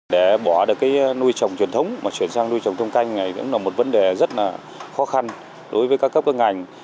để bỏ được cái nuôi trồng truyền thống mà chuyển sang nuôi trồng thông canh này cũng là một vấn đề rất là khó khăn đối với các cấp các ngành